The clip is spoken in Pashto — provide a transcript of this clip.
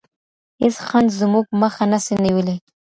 هیڅ خنډ زموږ مخه نسي نیولی.